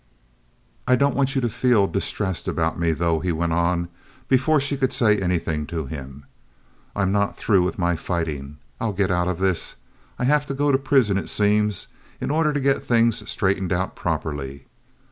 "I don't want you to feel distressed about me, though," he went on, before she could say anything to him. "I'm not through with my fighting. I'll get out of this. I have to go to prison, it seems, in order to get things straightened out properly.